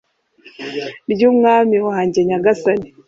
ry'umwami wanjye nyagasani